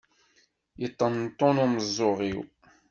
Yeṭṭentun umeẓẓeɣ-iw.